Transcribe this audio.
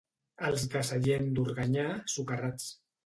Els de Sallent d'Organyà, socarrats.